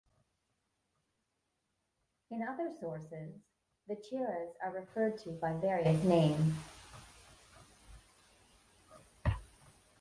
In other sources, the Cheras are referred to by various names.